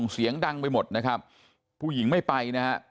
เสียงดังไปหมดนะครับผู้หญิงไม่ไปนะฮะ